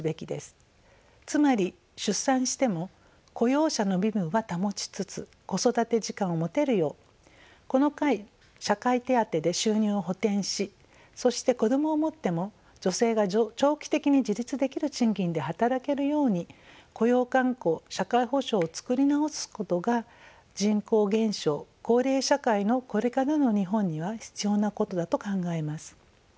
つまり出産しても雇用者の身分は保ちつつ子育て時間を持てるようこの間社会手当で収入を補填しそして子どもを持っても女性が長期的に自立できる賃金で働けるように雇用慣行社会保障をつくり直すことが人口減少高齢社会のこれからの日本には必要なことだと考えます。